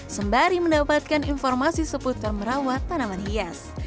sembari mendapatkan informasi seputar merawat tanaman hias